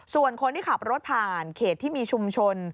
ส่วนคนที่ขับรถผ่านเขตที่มีชุมชน